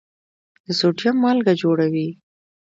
د سوډیم مالګه جوړوي.